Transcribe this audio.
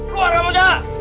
keluar kamu jajak